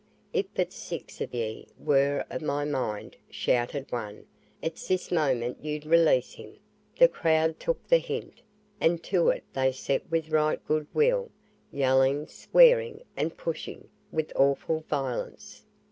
"If but six of ye were of my mind," shouted one, "it's this moment you'd release him." The crowd took the hint, and to it they set with right good will, yelling, swearing, and pushing, with awful violence.